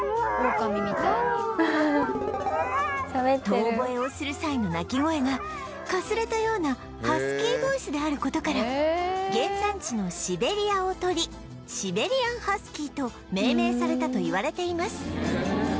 遠ぼえをする際の鳴き声がかすれたようなハスキーボイスである事から原産地の「シベリア」を取りシベリアン・ハスキーと命名されたといわれています